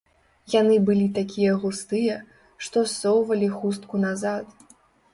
Яны былі такія густыя, што ссоўвалі хустку назад.